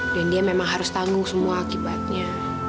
dan dia memang harus tanggung semua akibatnya